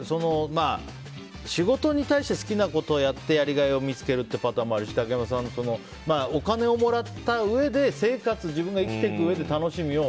仕事に対して好きなことをやってやりがいを見つけるってパターンもあるし竹山さん、お金をもらったうえで自分が生きていくうえでの楽しみを。